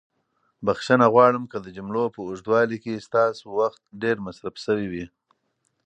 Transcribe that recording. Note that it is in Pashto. بښنه غواړم که د جملو په اوږدوالي کې ستاسو وخت ډېر مصرف شوی وي.